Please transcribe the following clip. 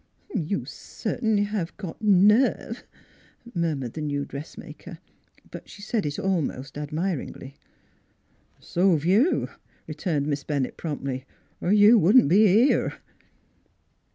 " You cert'nly have got nerve" murmured the new dressmaker; but she said it almost admir ingly. " So 've you," returned Miss Bennett promptly, " er you wouldn't be here."